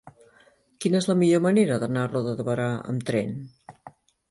Quina és la millor manera d'anar a Roda de Berà amb tren?